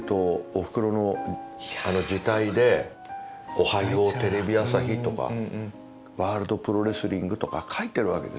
『おはようテレビ朝日』とか『ワールドプロレスリング』とか書いてるわけですよ。